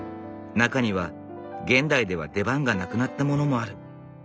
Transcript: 中には現代では出番がなくなったものもある。